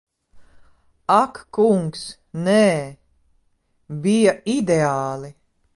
Ak kungs, nē. Bija ideāli.